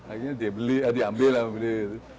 akhirnya dia beli ah diambil lah beli